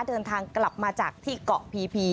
เดินทางกลับมาจากที่เกาะพีพี